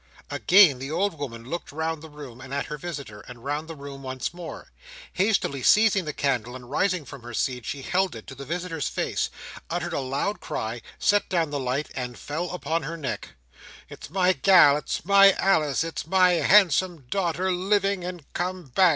Again the old woman looked round the room, and at her visitor, and round the room once more. Hastily seizing the candle, and rising from her seat, she held it to the visitor's face, uttered a loud cry, set down the light, and fell upon her neck! "It's my gal! It's my Alice! It's my handsome daughter, living and come back!"